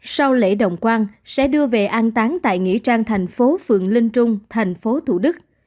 sau lễ động quan sẽ đưa về an tán tại nghĩa trang thành phố phường linh trung thành phố thủ đức